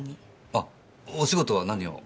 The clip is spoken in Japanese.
あお仕事は何を？